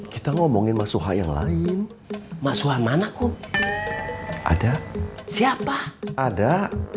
kita ngomongin masuk yang lain masuk manaku ada siapa ada